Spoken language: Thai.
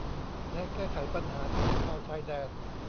และแก้ไขปัญหาสินค้าชายแดน